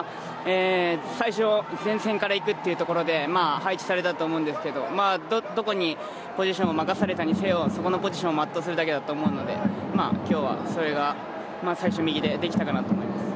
最初、前線からいくというところで配置されどこでポジションを任されたにしろそこのポジションを全うするだけだと思うので今日はそれは最初は右でできたかなと思います。